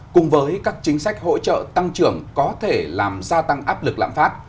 cùng với các chính sách hỗ trợ tăng trưởng có thể làm gia tăng áp lực lạm phát